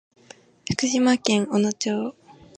福島県小野町